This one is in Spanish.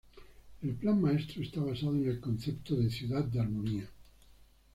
El Plan Maestro está basado en el concepto de "Ciudad de Armonía".